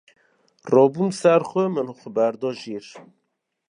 rabûm ser xwe, min xwe berda jêr